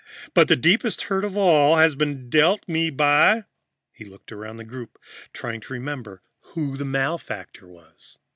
"But the deepest hurt of all has been dealt me by " He looked around the group, trying to remember who the malefactor was.